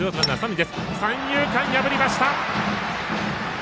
三遊間、破りました！